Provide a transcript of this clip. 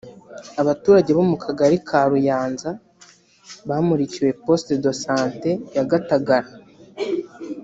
Abaturage bo mu Kagari ka Ruyanza bamurikiwe “Poste de santé” ya Gatagara